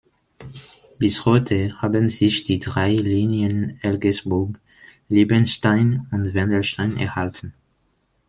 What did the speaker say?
Bis heute haben sich die drei Linien Elgersburg, Liebenstein und Wendelstein erhalten.